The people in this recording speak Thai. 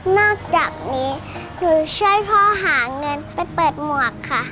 อกจากนี้หนูช่วยพ่อหาเงินไปเปิดหมวกค่ะ